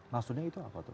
maksudnya itu apa tuh